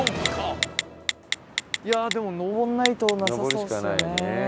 いやでも上んないとなさそうですよね。